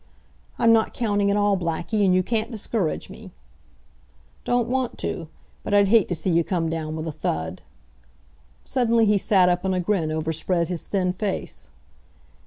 "I'm not counting at all, Blackie, and you can't discourage me." "Don't want to. But I'd hate to see you come down with a thud." Suddenly he sat up and a grin overspread his thin face.